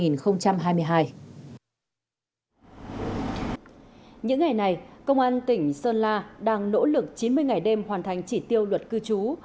những ngày này công an tỉnh sơn la đang nỗ lực chín mươi ngày đêm hoàn thành chỉ tiêu luật cư trú